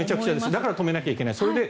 だから止めなきゃいけない。